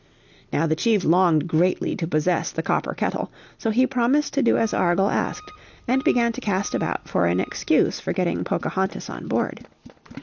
Now the chief longed greatly to possess the copper kettle. So he promised to do as Argall asked, and began to cast about for an excuse for getting Pocahontas on board.